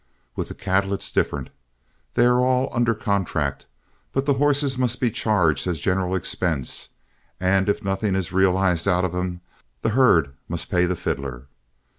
With the cattle it's different; they are all under contract, but the horses must be charged as general expense, and if nothing is realized out of them, the herd must pay the fiddler.